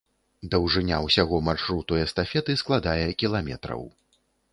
Даўжыня ўсяго маршруту эстафеты складае кіламетраў.